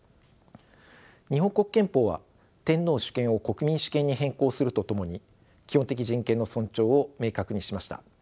日本国憲法は天皇主権を国民主権に変更するとともに基本的人権の尊重を明確にしました。